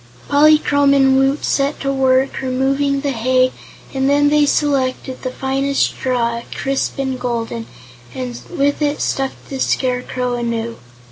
Polychrome and Woot set to work removing the hay and then they selected the finest straw, crisp and golden, and with it stuffed the Scarecrow anew.